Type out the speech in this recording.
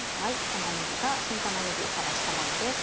玉ねぎが新玉ねぎさらしたものです。